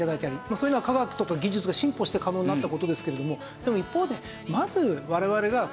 そういうのは科学とか技術が進歩して可能になった事ですけれどもでも一方でまず我々が空をよく見る。